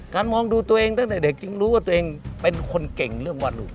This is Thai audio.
มองดูตัวเองตั้งแต่เด็กจึงรู้ว่าตัวเองเป็นคนเก่งเรื่องวาดรูป